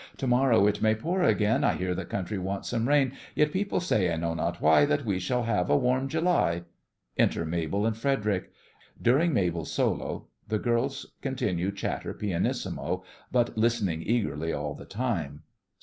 To morrow it may pour again (I hear the country wants some rain), Yet people say, I know not why, That we shall have a warm July. Enter MABEL and FREDERIC .During MABEL's solo the GIRLS continue chatter pianissimo, but listening eagerly all the time.